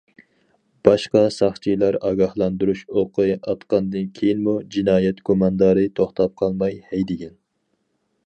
باشقا ساقچىلار ئاگاھلاندۇرۇش ئوقى ئاتقاندىن كېيىنمۇ جىنايەت گۇماندارى توختاپ قالماي ھەيدىگەن.